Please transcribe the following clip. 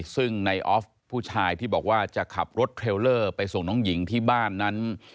ซึ่งในออฟผู้ชายที่บอกว่าจะขับรถเทรลเลอร์ไปส่งน้องหญิงที่บ้านนั้น